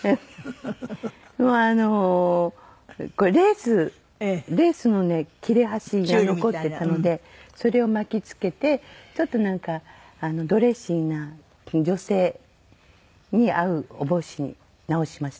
もうこれレースレースのね切れ端が残ってたのでそれを巻き付けてちょっとなんかドレッシーな女性に合うお帽子に直しました。